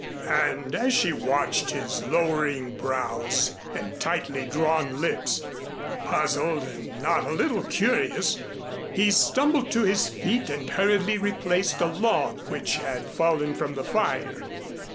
And as she watched his lowering brows and tightly drawn lips puzzled and not a little curious, he stumbled to his feet and hurriedly replaced a log which had fallen from the fire.